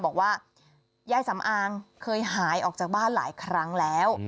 บอกว่ายายสำอางเคยหายออกจากบ้านหลายครั้งแล้ว